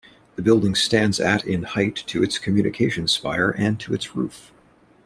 The building stands at in height to its communications spire and to its roof.